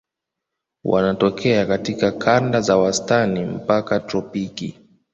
Wanatokea katika kanda za wastani mpaka tropiki.